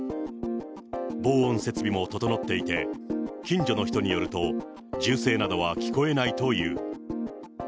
防音設備も整っていて、近所の人によると、銃声などは聞こえないという。